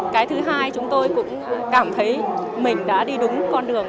cái thứ hai chúng tôi cũng cảm thấy mình đã đi đúng con đường